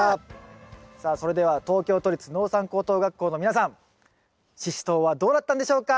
さあそれでは東京都立農産高等学校の皆さんシシトウはどうなったんでしょうか？